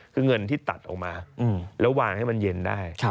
คือเงินที่ตัดออกมาแล้ววางให้มันเย็นได้